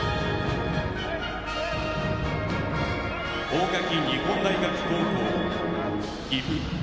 大垣日本大学高校・岐阜。